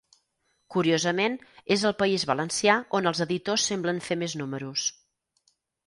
Curiosament, és al País Valencià on els editors semblen fer més números.